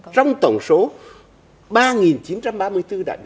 trong tổng số ba chín trăm ba mươi bốn đại biểu đi dự đại hội của đảng dân chủ